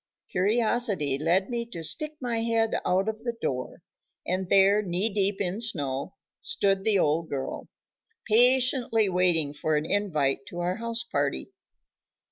Curiosity led me to stick my head out of the door, and there, knee deep in snow, stood the old girl, patiently waiting for an invite to our house party.